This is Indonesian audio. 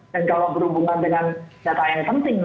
dan kalau berhubungan dengan data yang penting